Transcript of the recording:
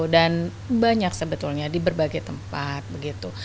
dan banyak sebetulnya di berbagai tempat begitu